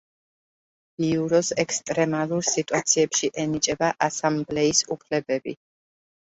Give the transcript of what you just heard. ბიუროს ექსტრემალურ სიტუაციებში ენიჭება ასამბლეის უფლებები.